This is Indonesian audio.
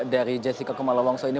dari jessica kemalawangso ini